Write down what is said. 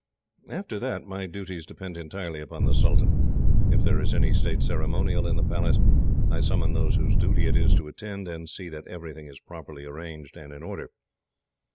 "After that, my duties depend entirely upon the sultan. If there is any state ceremonial in the Palace, I summon those whose duty it is to attend, and see that everything is properly arranged and in order.